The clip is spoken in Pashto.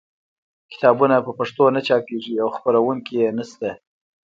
کتابونه په پښتو نه چاپېږي او خپرونکي یې نشته.